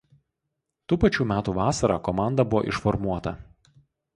Tų pačių metų vasarą komanda buvo išformuota.